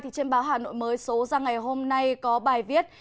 trên báo hà nội mới số ra ngày hôm nay có bài viết